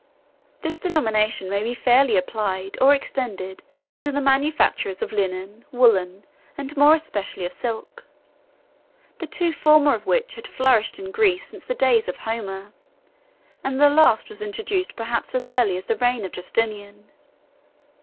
This denomination may be fairly applied or extended to the manufacturers of linen, woollen, and more especially of silk: the two former of which had flourished in Greece since the days of Homer; and the last was introduced perhaps as early as the reign of Justinian.